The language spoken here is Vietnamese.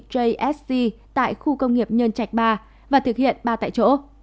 jsc tại khu công nghiệp nhân trạch ba và thực hiện ba tại chỗ